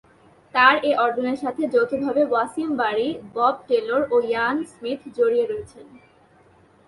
তার এ অর্জনের সাথে যৌথভাবে ওয়াসিম বারি, বব টেলর ও ইয়ান স্মিথ জড়িয়ে রয়েছেন।